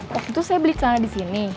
waktu itu saya beli celana di sini